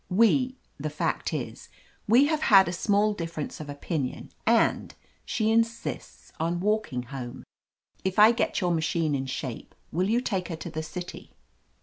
We — ^the fact is, we have had a small difference of opinion, and — she insists on walking home. If I get your machine in shape, will you take her to the city